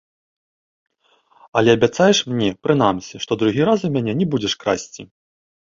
Але абяцаеш мне, прынамсі, што другі раз у мяне не будзеш красці?